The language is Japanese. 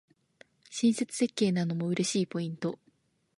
親切設計なのも嬉しいポイント